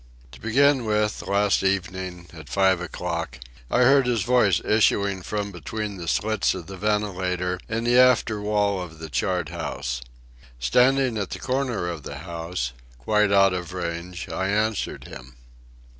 To begin with, last evening, at five o'clock, I heard his voice issuing from between the slits of the ventilator in the after wall of the chart house. Standing at the corner of the house, quite out of range, I answered him.